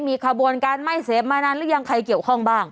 มีขบวนการไม่เสพมานานหรือยังใครเกี่ยวข้องบ้าง